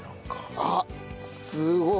あっすごい！